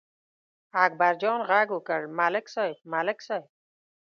اکبرجان غږ وکړ: ملک صاحب، ملک صاحب!